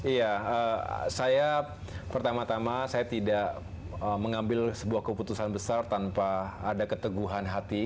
iya saya pertama tama saya tidak mengambil sebuah keputusan besar tanpa ada keteguhan hati